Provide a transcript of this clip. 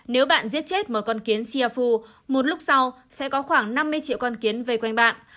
nếu bạn giết chết một con kiến siafu một lúc sau sẽ có khoảng năm mươi triệu con kiến về quanh bạn